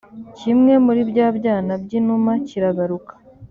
kimwe muri bya byana by’inuma kiragaruka